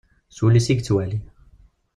S wul-is i yettwali.